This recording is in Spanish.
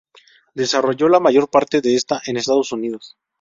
Desarrolló la mayor parte de esta en Estados Unidos.